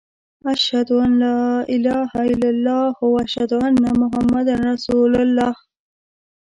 اشهد ان لا اله الا الله و اشهد ان محمد رسول الله.